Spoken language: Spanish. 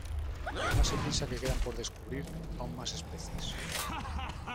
Además se piensa que quedan por descubrí aún más especies.